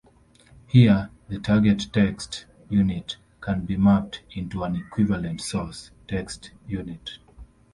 Here, the target-text unit can be mapped into an equivalent source-text unit.